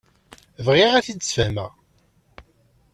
Bɣiɣ ad t-id-sfehmeɣ.